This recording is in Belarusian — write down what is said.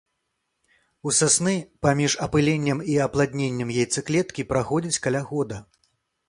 У сасны паміж апыленнем і апладненнем яйцаклеткі праходзіць каля года.